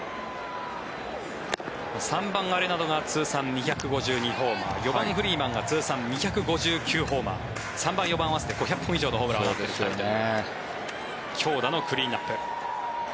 ３番、アレナドが通算２５５ホーマー４番、フリーマンが通算２５９ホーマー３番、４番合わせて５００本以上のホームランを打っているという。